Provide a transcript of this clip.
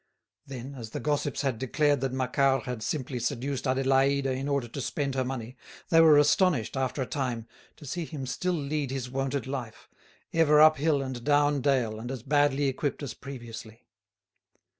Then, as the gossips had declared that Macquart had simply seduced Adélaïde in order to spend her money, they were astonished, after a time, to see him still lead his wonted life, ever up hill and down dale and as badly equipped as previously.